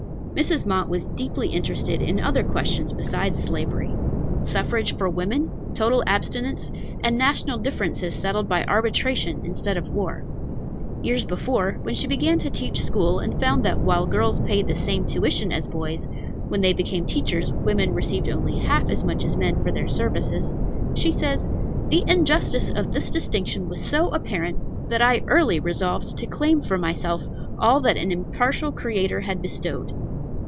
Mrs. Mott was deeply interested in other questions besides slavery, suffrage for women, total abstinence, and national differences settled by arbitration instead of war. Years before, when she began to teach school, and found that while girls paid the same tuition as boys, "when they became teachers, women received only half as much as men for their services," she says: "The injustice of this distinction was so apparent, that I early resolved to claim for myself all that an impartial Creator had bestowed."